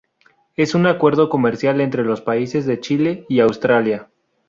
Es un acuerdo comercial entre los países de Chile y Australia.